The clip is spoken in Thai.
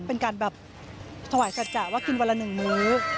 เป็นการถ่วายสัตว์จ่ะว่ากินวันละหนึ่งมื้อ